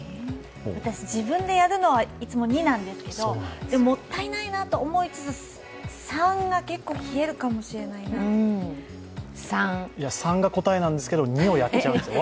私自分でやるのはいつも２なんですけどもったいないなと思いつつ３が結構冷えるかもしれないな３が答えなんですけれども、２をやっちゃうんですよ。